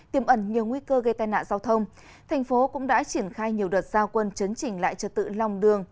thành phố cũng đã triển khai nhiều đợt giao quân chấn chỉnh lại trật tự lòng đường